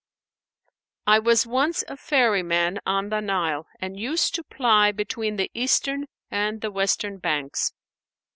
"I was once a ferryman on the Nile and used to ply between the eastern and the western banks.